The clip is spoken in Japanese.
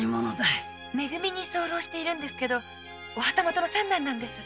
「め組」に居候してるんですけどお旗本の三男なんです。